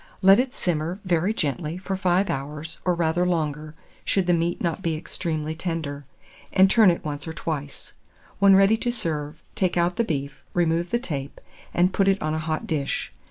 Let it simmer very gently for 5 hours, or rather longer, should the meat not be extremely tender, and turn it once or twice. When ready to serve, take out the beef, remove the tape, and put it on a hot dish.